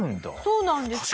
そうなんですよ。